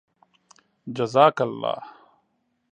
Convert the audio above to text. جزاك اللهُ